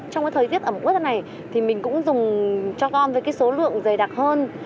trong cái thời tiết ẩm ướt này thì mình cũng dùng cho con với cái số lượng dày đặc hơn